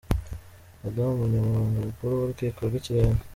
-Madamu Umunyamabanga Mukuru mu Rukiko rw’Ikirenga.